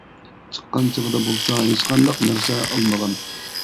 چىققان چېغىدا بولسا ھېچقانداق نەرسە ئالمىغان.